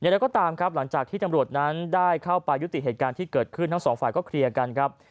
เราก็ตามครับหลังจากที่ตำรวจนั้นได้เข้าไปยุติเหตุการณ์ที่เกิดขึ้นทั้งสองฝ่ายก็เคลียร์กันครับ